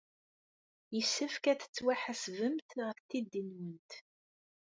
Yessefk ad tettwaḥasbemt ɣef tiddit-nwent.